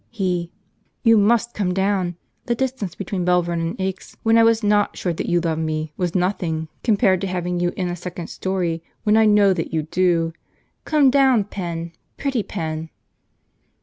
He. "You MUST come down! The distance between Belvern and Aix when I was not sure that you loved me was nothing compared to having you in a second story when I know that you do. Come down, Pen! Pretty Pen!"